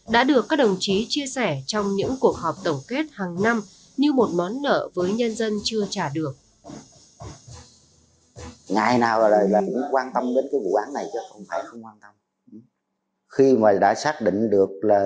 đã được các đồng chí chia sẻ trong những cuộc họp tổng kết hàng năm như một món nợ với nhân dân chưa trả được